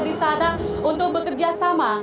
di sana untuk bekerja sama